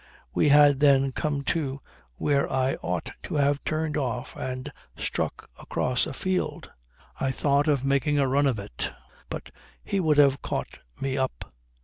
We had then come to where I ought to have turned off and struck across a field. I thought of making a run of it. But he would have caught me up.